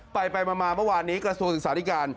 ไปมาเมื่อวานนี้กระทรวงศึกษาธิการ